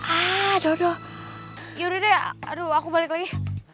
aduh yaudah deh aku balik lagi